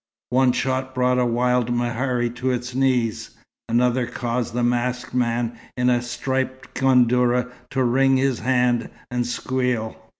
One shot brought a white mehari to its knees. Another caused a masked man in a striped gandourah to wring his hand and squeal.